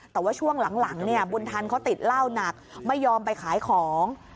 แต่ว่าช่วงหลังเนี่ยบุญทันเขาติดเหล้าหนักไม่ยอมไปขายของ